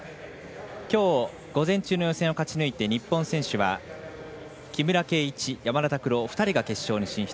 きょう、午前中の予選を勝ち抜いて、日本選手は木村敬一、山田拓朗２人が決勝に進出。